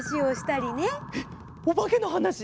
えっおばけのはなし？